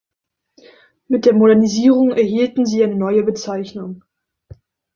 Mit der Modernisierung erhielten sie eine neue Bezeichnung.